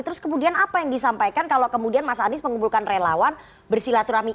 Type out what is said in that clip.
terus kemudian apa yang disampaikan kalau kemudian mas anies mengumpulkan relawan bersilaturahmi